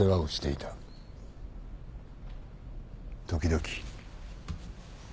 時々。